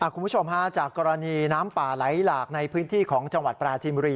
คุณผู้ชมฮะจากกรณีน้ำป่าไหลหลากในพื้นที่ของจังหวัดปราจีนบุรี